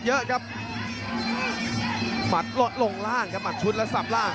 เยอะครับหมัดลดลงล่างครับหมัดชุดแล้วสับล่าง